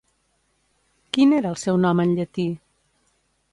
Quin era el seu nom en llatí?